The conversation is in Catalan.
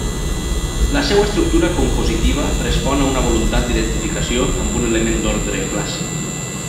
La seva estructura compositiva respon a una voluntat d'identificació amb un element d'ordre clàssic.